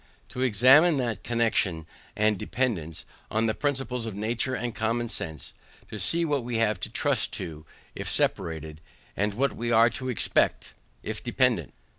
To examine that connexion and dependance, on the principles of nature and common sense, to see what we have to trust to, if separated, and what we are to expect, if dependant.